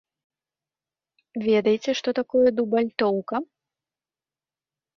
Ведаеце, што такое дубальтоўка?